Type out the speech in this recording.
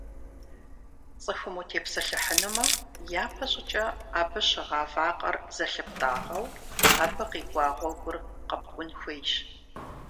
Цӏыхум утепсэлъыхьынумэ, япэщӏыкӏэ абы щыгъа вакъэр зылъыптӏагъэу, абы къикӏуа гъуэгур къэпкӏун хуейщ.